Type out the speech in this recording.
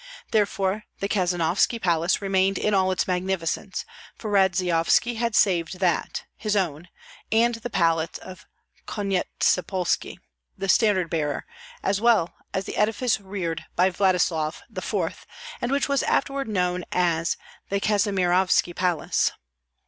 Therefore the Kazanovski Palace remained in all its magnificence, for Radzeyovski had saved that, his own, and the palace of Konyetspolski, the standard bearer, as well as the edifice reared by Vladislav IV., and which was afterward known as the Kazimirovski Palace.